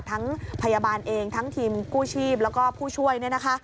ทั้งพยาบาลเองทั้งทีมกู้ชีพแล้วก็ผู้ช่วย